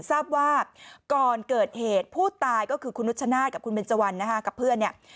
ทราบว่าก่อนเกิดเหตุผู้ตายก็คือคุณนุชชนาธิ์กับคุณเบนเจวันนะฮะกับเพื่อนเนี่ย